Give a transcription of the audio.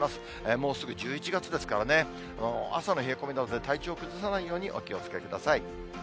もうすぐ１１月ですからね、朝の冷え込みなどで、体調崩さないようにお気をつけください。